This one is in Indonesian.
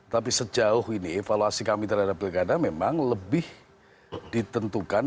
tapi sejauh ini evaluasi kami terhadap pilkada memang lebih ditentukan